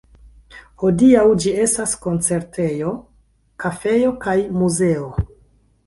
Hodiaŭ ĝi estas koncertejo, kafejo kaj muzeo.